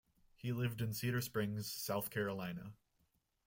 He lived in Cedar Springs, South Carolina.